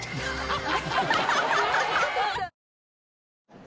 あっ！